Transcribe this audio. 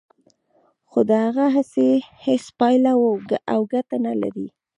خو د هغه هڅې هیڅ پایله او ګټه نه لري